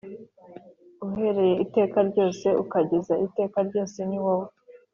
Uhereye iteka ryose ukageza iteka ryose Ni wowe